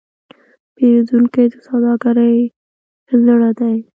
پیرودونکی د سوداګرۍ زړه دی.